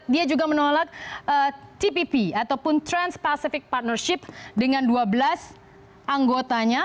dia juga menolak tpp ataupun trans pacific partnership dengan dua belas anggotanya